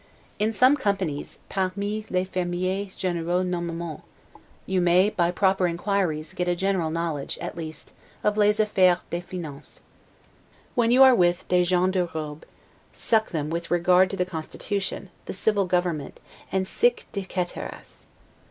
In some companies ('parmi les fermiers generaux nommement') you may, by proper inquiries, get a general knowledge, at least, of 'les affaires des finances'. When you are with 'des gens de robe', suck them with regard to the constitution, and civil government, and 'sic de caeteris'.